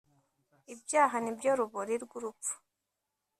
Ibyaha ni byo rubori rw urupfu